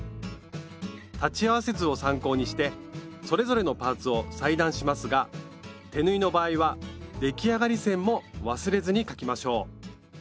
裁ち合わせ図を参考にしてそれぞれのパーツを裁断しますが手縫いの場合は出来上がり線も忘れずに描きましょう。